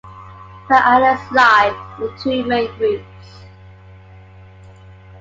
The islands lie in two main groups.